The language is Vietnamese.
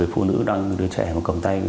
phụ nữ đăng đứa trẻ cầm tay